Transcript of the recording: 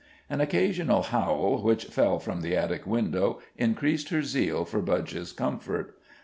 An occasional howl which fell from the attic window increased her zeal for Budge's comfort.